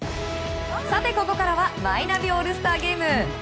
ここからはマイナビオールスターゲーム。